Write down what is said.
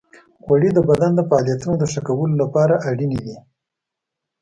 غوړې د بدن د فعالیتونو د ښه کولو لپاره اړینې دي.